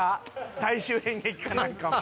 大衆演劇かなんかお前」